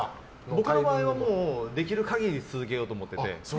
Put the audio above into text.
僕の場合はできる限り続けようと思ってて。